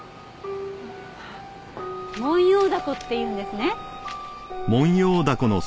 モンヨウダコっていうんですね。